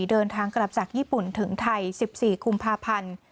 เดินทางกลับจากญี่ปุ่นถึงไทย๑๔กุมภาพันธ์